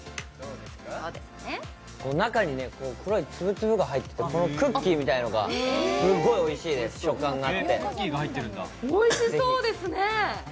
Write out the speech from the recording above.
中にね、黒いツブツブが入ってて、このクッキーみたいなのがすごいおいしいです、食感があって。